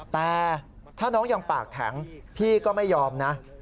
แต่ถ้าน้องยังปากแข็งพี่ก็ไม่ยอมนะ